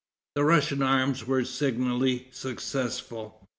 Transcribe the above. The Russian arms were signally successful.